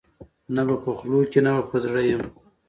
نه به په خولو کي نه به په زړه یم